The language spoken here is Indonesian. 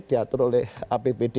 diatur oleh apbd